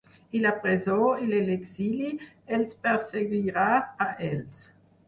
I la presó i l’exili els perseguirà a ells.